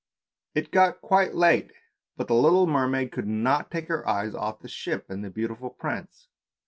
It got quite late, but the little mermaid could not take her eyes off the ship and the beautiful prince.